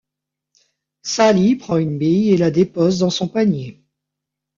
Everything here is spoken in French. Sally prend une bille et la dépose dans son panier.